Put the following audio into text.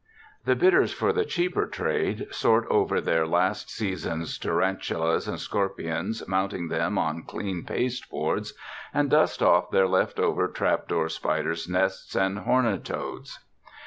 The bidders for the cheaper trade sort over their last season's tar antulas and scorpions, mounting them on clean pasteboards, and dust off their left over trap door spider's nests and horned toads.